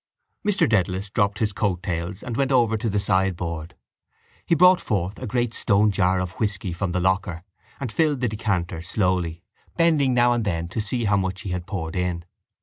Mr Dedalus dropped his coat tails and went over to the sideboard. He brought forth a great stone jar of whisky from the locker and filled the decanter slowly, bending now and then to see how much he had poured in.